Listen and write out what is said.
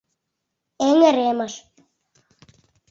— Эҥыремыш...